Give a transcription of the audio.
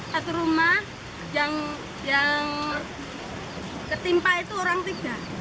satu rumah yang ketimpa itu orang tiga